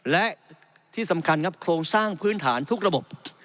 และที่สำคัญครับโครงสร้างพื้นฐานทุกระบบ